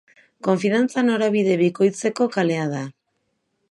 Konfidantza norabide bikoitzeko kalea da.